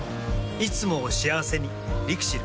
いつもを幸せにＬＩＸＩＬ。